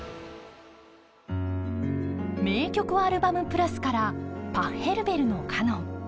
「名曲アルバム＋」から「パッヘルベルのカノン」。